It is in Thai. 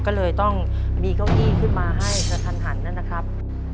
ก็เลยต้องมีเก้าอี้ขึ้นมาให้กระทันหันนะครับ